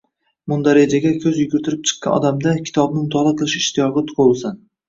mundarijaga ko‘z yugurtirib chiqqan odamda kitobni mutolaa qilish ishtiyoqi tug‘ilsin.